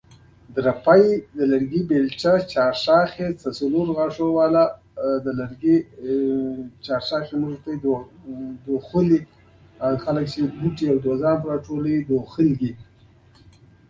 دا هېواد له افغانستان، تاجکستان، ترکمنستان او قرغیزستان سره ګډه پوله لري.